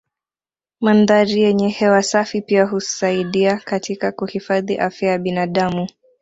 Mandhari yenye hewa safi pia husaidia katika kuhifadhi afya ya binadamu